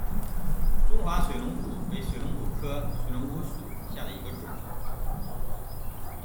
中华水龙骨为水龙骨科水龙骨属下的一个种。